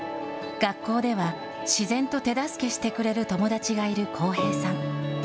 学校では、自然と手助けしてくれる友達がいる耕平さん。